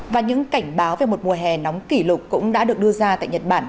và những cảnh báo về một mùa hè nóng kỷ lục cũng đã được đưa ra tại nhật bản